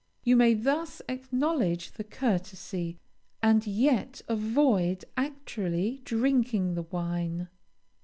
You may thus acknowledge the courtesy, and yet avoid actually drinking the wine.